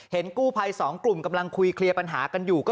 กู้ภัย๒กลุ่มกำลังคุยเคลียร์ปัญหากันอยู่